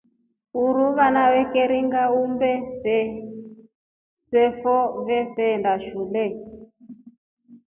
Uruu vaana vikiringa uumbe sefo veshinda shule.